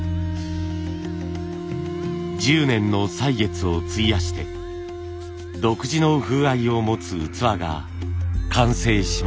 １０年の歳月を費やして独自の風合いを持つ器が完成しました。